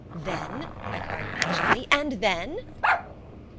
"Then?" I cried, impatiently, "and then?"